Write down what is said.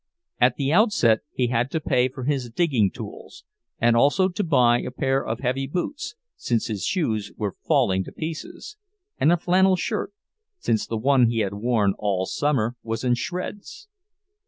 At the outset he had to pay for his digging tools, and also to buy a pair of heavy boots, since his shoes were falling to pieces, and a flannel shirt, since the one he had worn all summer was in shreds.